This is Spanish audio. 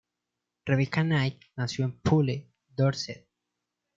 Rebecca Night nació en Poole, Dorset.